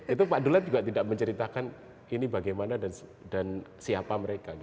itu pak dulet juga tidak menceritakan ini bagaimana dan siapa mereka